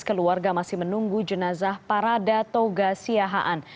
keluarga masih menunggu jenazah parada toga siahaan